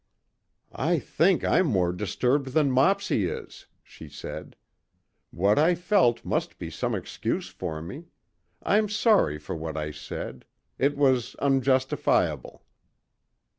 "I think I'm more disturbed than Mopsy is," she said. "What I felt must be some excuse for me. I'm sorry for what I said; it was unjustifiable."